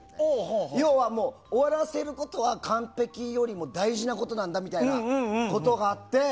要は終わらせることは完璧よりも大事なことなんだというのがあって。